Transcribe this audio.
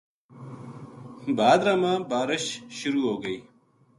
بھادرا ما بارش شروع ہو گئی